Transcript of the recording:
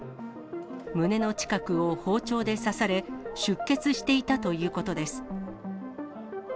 胸の近くを包丁で刺され、出血していたということです。